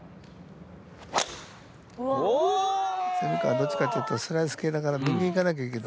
どっちかって言ったらスライス系だから右行かなきゃいいけど。